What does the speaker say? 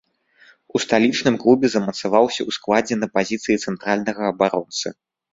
У сталічным клубе замацаваўся ў складзе на пазіцыі цэнтральнага абаронцы.